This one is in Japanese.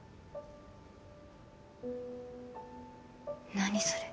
何それ。